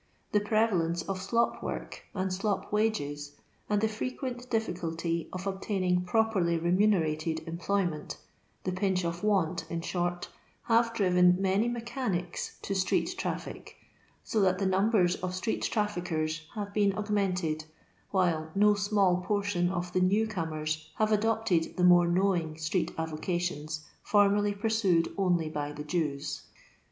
The pre^alenoe of slop work and slop wages, and the frequent diflkulty of obtaining properly re muneiated employment — the pinch of want, in short — hare driven many mechanics to street trafllc; so that the numbers of street traffickers have been augmented, while no small portion of the new comers have adopted the more knowing street aTocations, formeriy pursued only by the Jews.